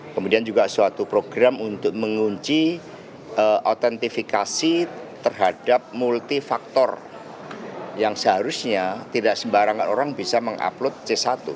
kemudian juga suatu program untuk mengunci autentifikasi terhadap multifaktor yang seharusnya tidak sembarangan orang bisa mengupload c satu